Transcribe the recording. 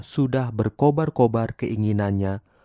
sudah berkobar kobar keinginannya